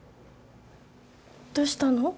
どうしたの？